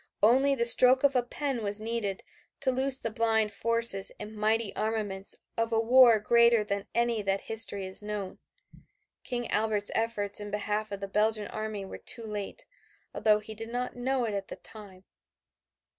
Only the stroke of a pen was needed to loose the blind forces and mighty armaments of a war greater than any that history has known. King Albert's efforts in behalf of the Belgian army were too late, although he did not know it at the time.